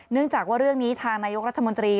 เนื่องจากว่าเรื่องนี้ทางนายกรัฐมนตรี